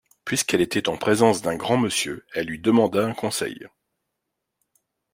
Puisqu’elle était en présence d’un grand monsieur, elle lui demanda un conseil.